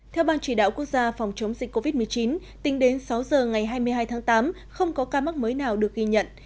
theo ban chỉ đạo quốc gia phòng chống dịch covid một mươi chín tính đến sáu giờ ngày hai mươi hai tháng tám không có ca mắc mới nào được ghi nhận